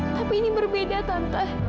tapi ini berbeda tante